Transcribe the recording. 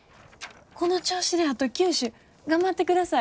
この調子であと９首頑張ってください。